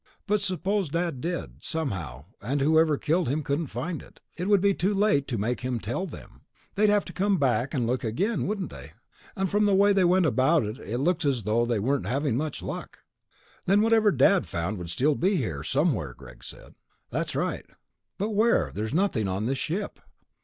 "But suppose Dad did, somehow, and whoever killed him couldn't find it? It would be too late to make him tell them. They'd have to come back and look again, wouldn't they? And from the way they went about it, it looks as though they weren't having much luck." "Then whatever Dad found would still be here, somewhere," Greg said. "That's right." "But where? There's nothing on this ship."